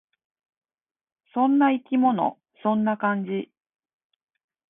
そんな生き物。そんな感じ。